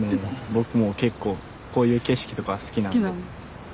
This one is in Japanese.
僕も結構こういう景色とか好きなんで。